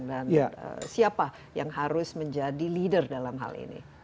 dan siapa yang harus menjadi leader dalam hal ini